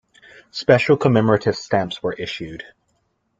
Special commemorative stamps were issued.